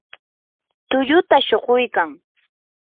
tulluta shuquykan.